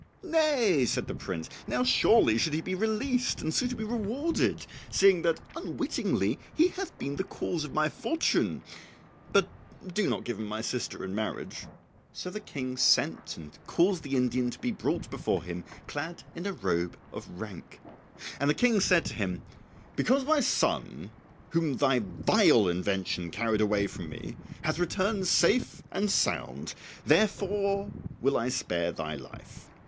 "Nay," said the prince "now surely should he be released and suitably rewarded, seeing that unwittingly he hath been the cause of my fortune; but do not give him my sister in marriage." So the King sent and caused the Indian to be brought before him clad in a robe of rank. And the King said to him, "Because my son, whom thy vile invention carried away from me, hath returned safe and sound, therefore will I spare thy life.